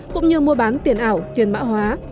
cũng như mua bán tiền ảo tiền mã hóa